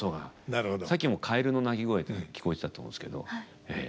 さっきも蛙の鳴き声聞こえてたと思うんですけどええ。